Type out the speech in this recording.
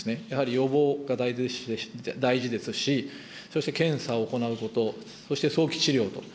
やはり予防が大事ですし、そして検査を行うこと、そして早期治療と。